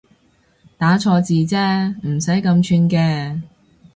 打錯字啫唔使咁串嘅